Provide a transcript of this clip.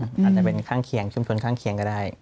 อาจจะเป็นข้างเคียงชุมชนข้างเคียงก็ได้